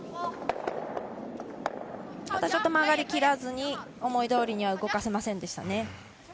またちょっと曲がりきらずに、思いどおりに動かせませんでしたね。